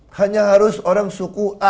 hanya harus orang suku a